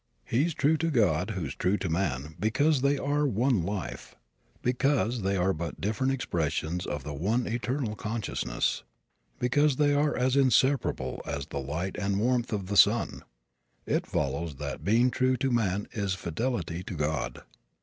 He's true to God who's true to man because they are one life; because they are but different expressions of the one eternal consciousness; because they are as inseparable as the light and warmth of the sun. It follows that being true to man is fidelity to God.